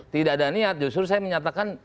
tidak ada niat justru saya menyatakan